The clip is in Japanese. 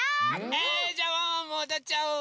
えじゃあワンワンもおどっちゃう！